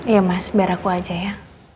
iya mas biar aku aja ya